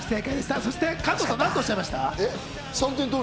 そして加藤さん、何とおっしゃいました？